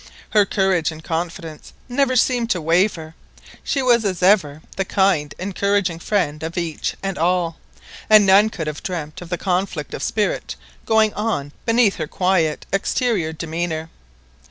Her courage and confidence never seemed to waver, she was as ever the kind encouraging friend of each and all, and none could have dreamt of the conflict of spirit going on beneath her quiet exterior demeanour.